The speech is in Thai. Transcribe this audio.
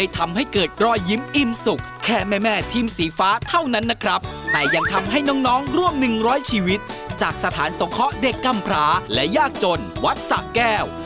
จากสถานสงเคราะห์เด็กกำพราและยากจนวัดสะแก้ว